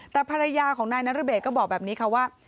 แต่ภรรยาของนายนรเบศก็บอกแบบนี้ค่ะว่า